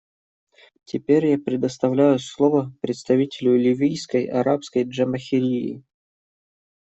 Теперь я предоставляю слово представителю Ливийской Арабской Джамахирии.